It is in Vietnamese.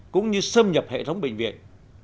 cũng như xâm nhập hệ thống bệnh viện